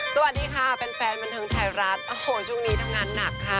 สวัสดีค่ะแฟนบันเทิงไทยรัฐโอ้โหช่วงนี้ทำงานหนักค่ะ